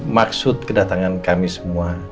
maksud kedatangan kami semua